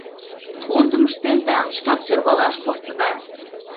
Бунтым ыштенда, шкак сӧрвалаш коштыда!